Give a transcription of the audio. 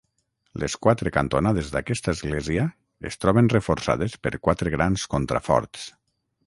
Les quatre cantonades d'aquesta església es troben reforçades per quatre grans contraforts.